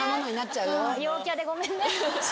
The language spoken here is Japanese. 陽キャでごめんね。